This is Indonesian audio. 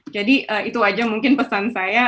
jadi itu saja mungkin pesan saya